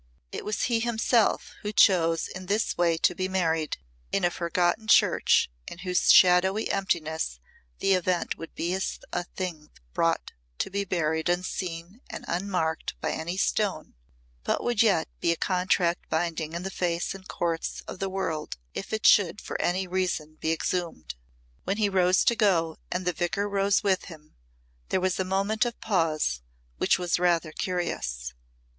It was he himself who chose in this way to be married in a forgotten church in whose shadowy emptiness the event would be as a thing brought to be buried unseen and unmarked by any stone, but would yet be a contract binding in the face and courts of the world if it should for any reason be exhumed. When he rose to go and the Vicar rose with him, there was a moment of pause which was rather curious.